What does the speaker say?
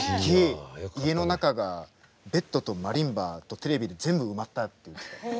家の中がベッドとマリンバとテレビで全部埋まったって言ってた。